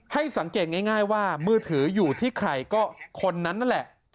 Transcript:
ให้สังเกตง่ายว่ามือถืออยู่ที่ใครก็คนนั้นนั่นแหละ